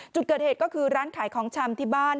จุดเกิดเหตุก็คือร้านขายของชำที่บ้าน